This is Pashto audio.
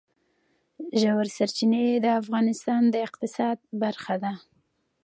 ژورې سرچینې د افغانستان د اقتصاد برخه ده.